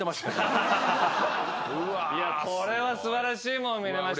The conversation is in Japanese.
これは素晴らしいもん見れました。